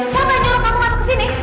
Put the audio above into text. siapa yang nyolong kamu masuk ke sini